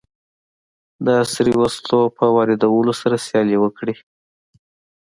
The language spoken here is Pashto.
د عصري وسلو په واردولو سره سیالي وکړي.